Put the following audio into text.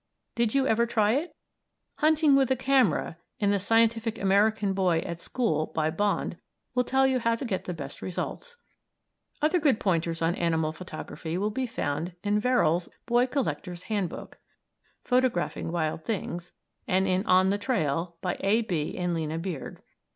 Did you ever try it? "Hunting with a Camera" in "The Scientific American Boy at School," by Bond, will tell you how to get the best results. Other good pointers on animal photography will be found in Verrill's "Boy Collector's Hand Book" ("Photographing Wild Things") and in "On the Trail," by A. B. and Lina Beard.